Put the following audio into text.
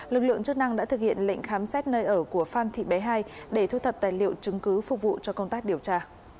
lực lượng chức năng đã thực hiện lệnh khám xét nơi ở của phan thị bé hai để thu thập tài liệu chứng cứ phục vụ cho công tác điều tra